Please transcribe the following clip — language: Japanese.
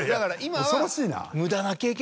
恐ろしいな。